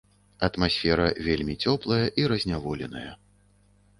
Атмасфера вельмі цёплая і разняволеная.